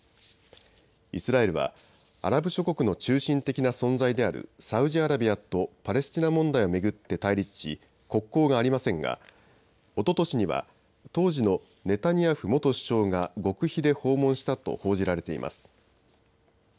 イスラエルはアラブ諸国の中心的な存在であるサウジアラビアとパレスチナ問題を巡って対立し国交がありませんがおととしには当時のネタニヤフ元首相が極秘で訪問したと報じられています。